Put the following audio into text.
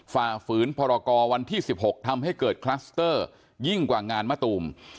ฝ่าฝืนพรกรวันที่๑๖ทำให้เกิดคลัสเตอร์ยิ่งกว่างานมะตูม